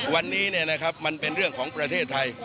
วันนี้มันเป็นเรื่องของประเทศไทย